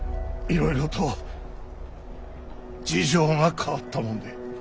いろいろと事情が変わったもんで。